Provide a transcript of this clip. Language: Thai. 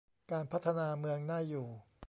การพัฒนาเมืองน่าอยู่